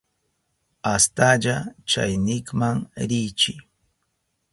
Astalla chaynikman riychi.